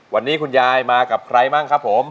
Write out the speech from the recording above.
วันนี้คุณยายมากับใครบ้างครับผม